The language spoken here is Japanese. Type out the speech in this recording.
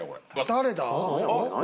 誰だ？